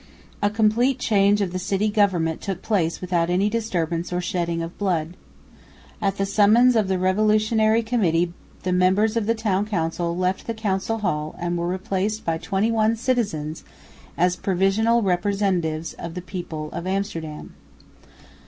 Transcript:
A complete change of the city government took place without any disturbance or shedding of blood. At the summons of the Revolutionary Committee the members of the Town Council left the Council Hall and were replaced by twenty one citizens "as provisional representatives of the people of Amsterdam."